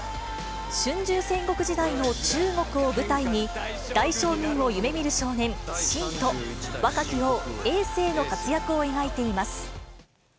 春秋戦国時代の中国を舞台に、大将軍を夢みる少年、信と、若き王、えい政の活躍を描いています。